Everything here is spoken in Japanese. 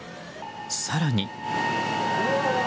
更に。